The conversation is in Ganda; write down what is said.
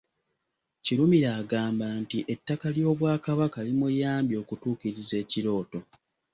Kirumira agamba nti ettaka ly’Obwakabaka limuyambye okutuukiriza ekirooto.